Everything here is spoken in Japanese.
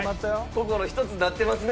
心一つになってますね？